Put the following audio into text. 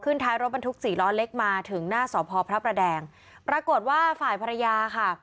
ท้ายรถบรรทุกสี่ล้อเล็กมาถึงหน้าสพพระประแดงปรากฏว่าฝ่ายภรรยาค่ะ